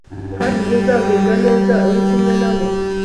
kandi ntuzagubwa neza uri kumwe na bo